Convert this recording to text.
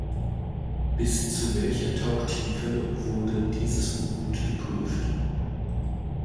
Bis zu welcher Tauchtiefe wurde dieses U-Boot geprüft?